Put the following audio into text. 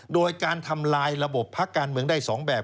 โดยการทำลายระบบพักการเมืองได้๒แบบ